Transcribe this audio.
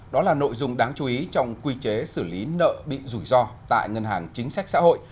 đó là nội dung đáng chú ý trong quy chế xử lý nợ bị rủi ro tại ngân hàng chính sách xã hội